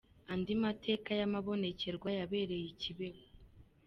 Andi mateka y’amabonekerwa yabereye i Kibeho.